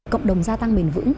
cộng đồng gia tăng bền vững